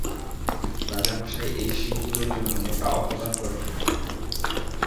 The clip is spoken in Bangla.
রাজামশাই এই শিংগুলোর জন্য মোটা অর্থ প্রদান করবেন।